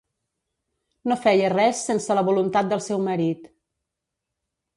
No feia res sense la voluntat del seu marit.